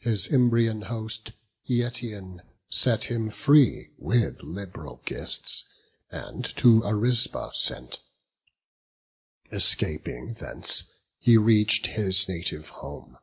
His Imbrian host, Eetion, set him free With lib'ral gifts, and to Arisba sent: Escaping thence, he reach'd his native home.